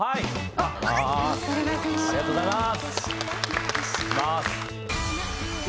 ありがとうございます。